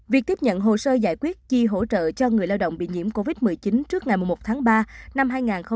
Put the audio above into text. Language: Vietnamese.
việc tiếp nhận hồ sơ giải quyết chi hỗ trợ cho người lao động bị nhiễm covid một mươi chín trước ngày một tháng ba năm hai nghìn hai mươi